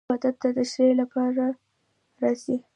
عبارت د تشریح له پاره راځي.